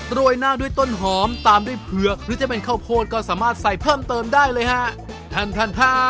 โปะโดยต้นหอมตามด้วยเผือกก็สามารถใส่เพิ่มเติมได้เลยฮะ